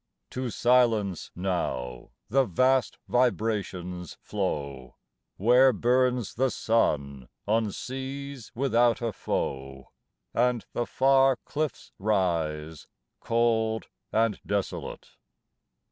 To silence now the vast vibrations flow, Where burns the sun on seas without a foe And the far cliffs rise cold and desolate.